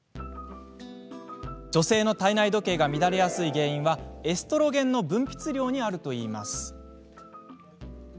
女性の体内時計が乱れやすい原因はエストロゲンの分泌量にあるといいます。